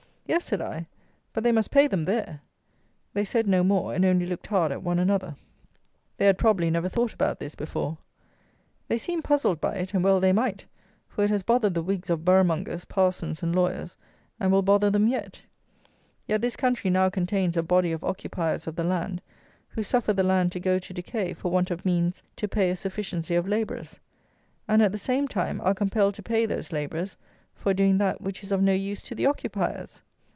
"Yes," said I, "but they must pay them there." They said no more, and only looked hard at one another. They had, probably, never thought about this before. They seemed puzzled by it, and well they might, for it has bothered the wigs of boroughmongers, parsons and lawyers, and will bother them yet. Yes, this country now contains a body of occupiers of the land, who suffer the land to go to decay for want of means to pay a sufficiency of labourers; and, at the same time, are compelled to pay those labourers for doing that which is of no use to the occupiers!